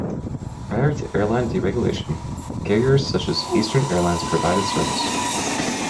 Prior to airline deregulation, carriers such as Eastern Airlines provided service.